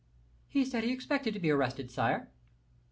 "He said he expected to be arrested, sire."